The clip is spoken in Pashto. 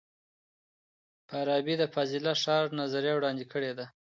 فارابي د فاضله ښار نظریه وړاندې کړې ده.